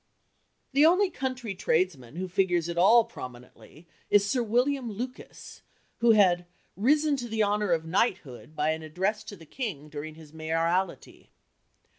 The only country tradesman who figures at all prominently is Sir William Lucas, who had "risen to the honour of Knighthood by an address to the King during his mayoralty.